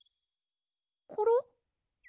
コロ？